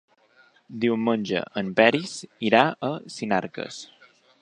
Diumenge en Peris irà a Sinarques.